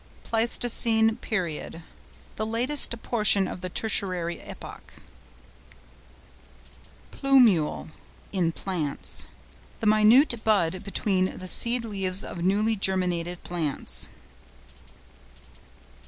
PLEISTOCENE PERIOD.—The latest portion of the Tertiary epoch. PLUMULE (in plants).—The minute bud between the seed leaves of newly germinated plants.